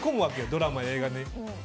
ドラマ、映画に。